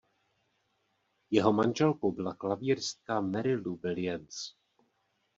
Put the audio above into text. Jeho manželkou byla klavíristka Mary Lou Williams.